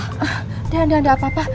udah udah gak apa apa